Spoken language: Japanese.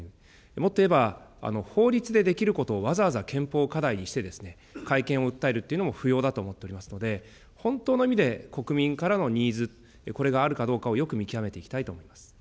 もっと言えば、法律でできることをわざわざ憲法課題にして、改憲を訴えるっていうのも不要だと思っておりますので、本当の意味で国民からのニーズ、これがあるかどうかをよく見極めていきたいと思っています。